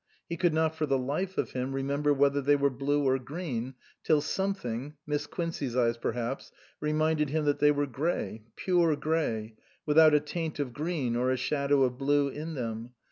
He could not for the life of him remember whether they were blue or green, till something (Miss Quincey's eyes perhaps) reminded him that they were grey, pure grey, without a taint of green or a shadow of blue in them.